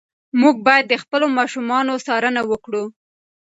موږ باید د خپلو ماشومانو څارنه وکړو.